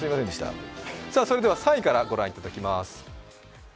それでは３位からご覧いただきます。